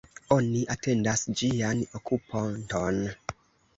Oni atendas ĝian okuponton.